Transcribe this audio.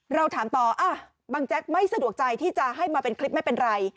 เราถามต่อบังแจ๊กไม่สะดวกใจที่จะให้มาเป็นคลิปไม่เป็นไร